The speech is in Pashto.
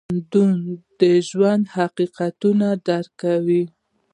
ژوندي د ژوند حقیقتونه درک کوي